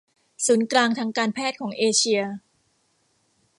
ศูนย์กลางทางการแพทย์ของเอเชีย